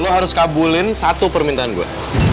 lo harus kabulin satu permintaan gue